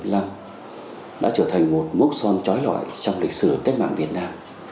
năm một nghìn chín trăm bảy mươi năm đã trở thành một mốc son trói lõi trong lịch sử tết mạng việt nam